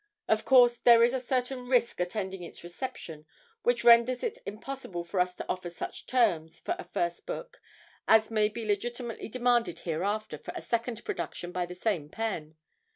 Of course, there is a certain risk attending its reception which renders it impossible for us to offer such terms for a first book as may be legitimately demanded hereafter for a second production by the same pen.